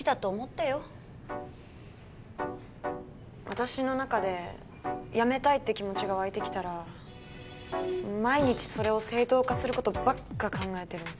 私の中で辞めたいって気持ちが湧いてきたら毎日それを正当化する事ばっか考えてるんですよね。